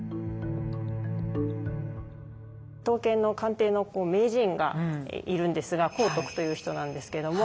刀剣の鑑定の名人がいるんですが光徳という人なんですけれども。